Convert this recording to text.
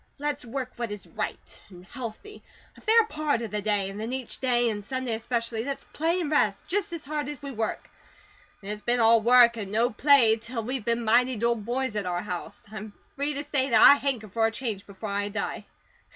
LET'S WORK WHAT IS RIGHT, AND HEALTHY, A FAIR PART OF THE DAY, AND THEN EACH DAY, AND SUNDAY ESPECIALLY, LET'S PLAY AND REST, JUST AS HARD AS WE WORK. IT'S BEEN ALL WORK AND NO PLAY TILL WE'VE BEEN MIGHTY 'DULL BOYS' AT OUR HOUSE; I'M FREE TO SAY THAT I HANKER FOR A CHANGE BEFORE I DIE."